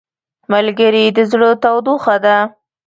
ملګری د زړه تودوخه ده